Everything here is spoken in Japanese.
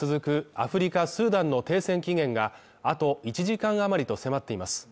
アフリカスーダンの停戦期限があと１時間あまりと迫っています。